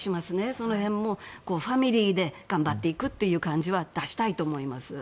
その辺もファミリーで頑張っていく感じは出したいと思います。